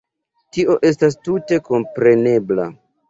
Tio estas tute komprenebla.